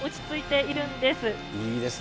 いいですね。